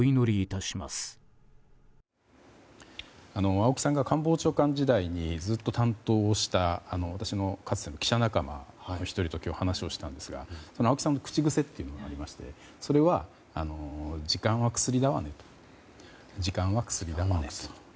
青木さんが官房長官時代にずっと担当をした私のかつての記者仲間の１人と今日、話をしたんですが青木さんの口癖がありましてそれは時間は薬だわねと。